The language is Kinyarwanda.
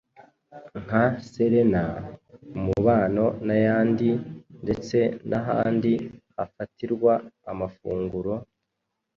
nka Serena, Umubano n’ayandi, ndetse n’ahandi hafatirwa amafunguro,